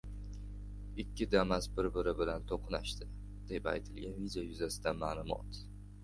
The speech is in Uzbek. "Ikki damas bir-biri bilan to‘qnashdi" deb aytilgan video yuzasidan ma’lumot